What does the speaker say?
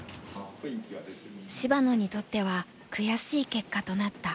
芝野にとっては悔しい結果となった。